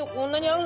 うん。